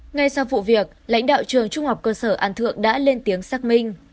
ngay sau vụ việc lãnh đạo trường trung học cơ sở an thượng đã lên tiếng xác minh